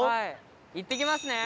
行ってきますね。